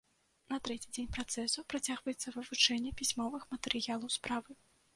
На трэці дзень працэсу працягваецца вывучэнне пісьмовых матэрыялаў справы.